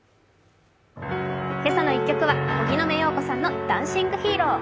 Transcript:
今朝の１曲は荻野目洋子さんの「ダンシング・ヒーロー」。